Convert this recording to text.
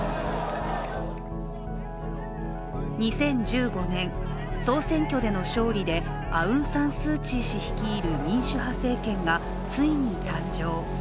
２０１５年、総選挙での勝利でアウン・サン・スー・チー氏率いる民主派政権がついに誕生。